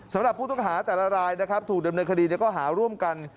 สำหรับผู้ต้องหาแต่ละรายนะครับถูกดำเนินคดีในข้อหาร่วมกัน